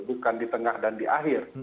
bukan di tengah dan di akhir